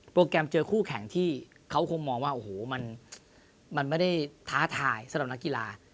แกรมเจอคู่แข่งที่เขาคงมองว่าโอ้โหมันไม่ได้ท้าทายสำหรับนักกีฬา